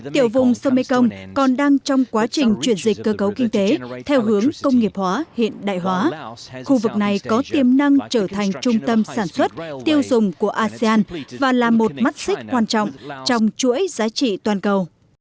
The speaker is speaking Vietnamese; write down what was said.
tiểu vùng sông mekong còn đang trong quá trình chuyển dịch cơ cấu kinh tế theo hướng công nghiệp hóa hiện đại hóa khu vực này có tiềm năng trở thành trung tâm sản xuất tiêu dùng của asean và là một mắt xích quan trọng trong chuỗi giá trị toàn cầu